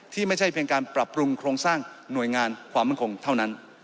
ไม่ใช่เพียงการปรับปรุงโครงสร้างหน่วยงานความมั่นคงเท่านั้น